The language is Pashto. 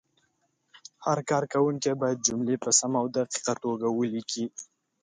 هر کارونکی باید جملې په سمه او دقیقه توګه ولیکي.